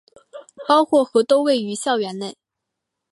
包括和都位于校园内。